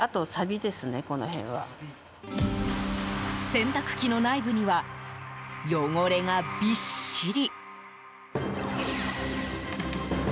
洗濯機の内部には汚れがびっしり。